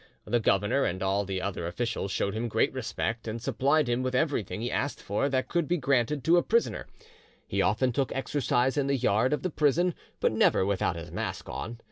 The governor and all the other officials showed him great respect, and supplied him with everything he asked for that could be granted to a prisoner. He often took exercise in the yard of the prison, but never without his mask on.